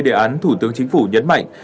đề án thủ tướng chính phủ nhấn mạnh